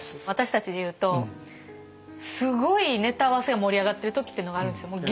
私たちで言うとすごいネタ合わせは盛り上がってる時っていうのがあるんですよ。